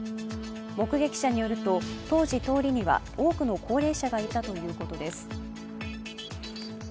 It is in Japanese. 目撃者によると当時、通りには多くの高齢者がいたということです。